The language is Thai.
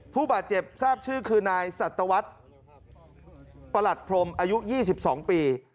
ผู้บาดเจ็บทราบชื่อคือนายสัตวรรษประหลัดพรมอายุ๒๒ปี